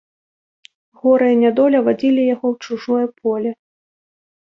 Гора і нядоля вадзілі яго ў чужое поле.